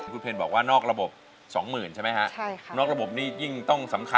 คุณเพลงบอกว่านอกระบบ๒๐๐๐๐ใช่ไหมคะ